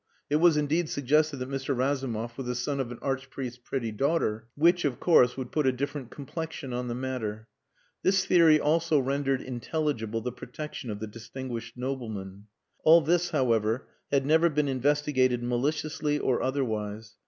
It was, indeed, suggested that Mr. Razumov was the son of an Archpriest's pretty daughter which, of course, would put a different complexion on the matter. This theory also rendered intelligible the protection of the distinguished nobleman. All this, however, had never been investigated maliciously or otherwise.